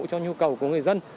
cho nhu cầu của người dân